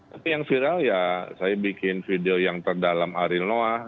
tapi yang viral ya saya bikin video yang terdalam ari noah